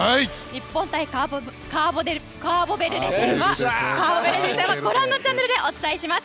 日本対カーボベルデ戦はご覧のチャンネルでお伝えします。